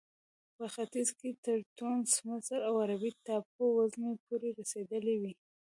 په ختیځ کې تر ټونس، مصر او عربي ټاپو وزمې پورې رسېدلې وې.